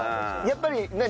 やっぱり何？